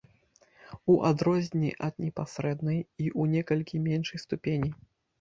У адрозненні ад непасрэднай і, ў некалькі меншай ступені.